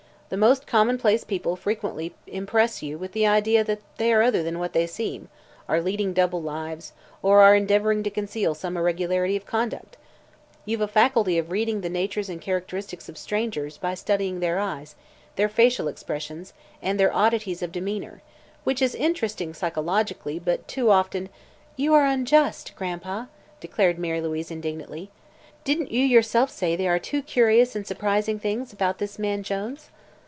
The most commonplace people frequently impress you with the idea that they are other than what they seem, are leading double lives, or are endeavoring to conceal some irregularity of conduct. You've a faculty of reading the natures and characteristics of strangers by studying their eyes, their facial expressions and their oddities of demeanor, which is interesting psychologically but too often " "You are unjust, Gran'pa!" declared Mary Louise indignantly. "Didn't you yourself say there are two curious and surprising things about this man Jones?"